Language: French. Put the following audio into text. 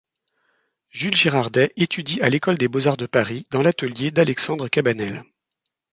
Jules Girardet étudie à l’École des beaux-arts de Paris dans l'atelier d'Alexandre Cabanel.